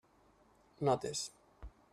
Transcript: Notes.